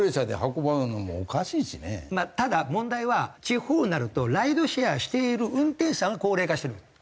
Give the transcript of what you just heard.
まあただ問題は地方になるとライドシェアしている運転手さんが高齢化してるんです。